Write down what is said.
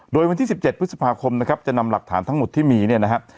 โดยวันที่๑๗พฤษภาคมนะครับจะนำหลักฐานทั้งหมดที่มีเนี่ยนะครับ